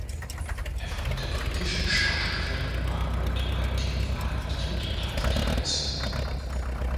Er war mit der britischen Schauspielerin Margaret Whiting verheiratet und hatte drei Söhne.